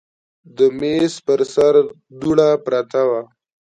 د میز پر سر دوړه پرته وه.